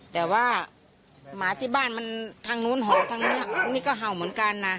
แต่ว่าหมาที่บ้านมันทางนู้นหอทางนี้นี่ก็เห่าเหมือนกันนะ